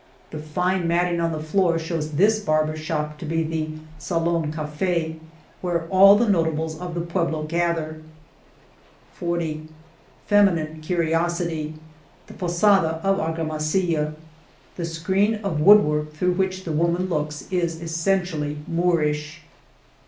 The fine matting on the floor shows this barber's shop to be the Salon Cafd,^* where all the notables of the pueblo gather, jg ^^ Feminine curiosity?* The Posada of Argamasilla, The screen of wood work through which the wom^ an looks is essentially Moorish